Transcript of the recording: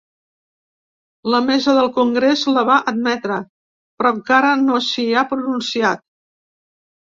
La mesa del congrés la va admetre, però encara no s’hi ha pronunciat.